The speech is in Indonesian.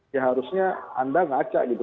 ya harusnya anda ngaca gitu